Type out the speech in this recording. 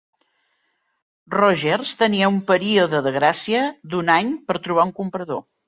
Rogers tenia un període de gràcia d'un any per trobar un comprador.